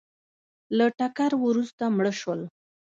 له ټکر وروسته مړه شول